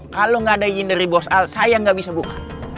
kalau gak ada izin dari bos al saya gak bisa buka